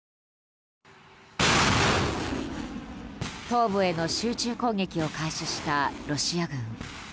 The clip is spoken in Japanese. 東部への集中攻撃を開始したロシア軍。